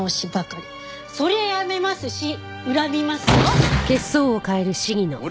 そりゃ辞めますし恨みますよ。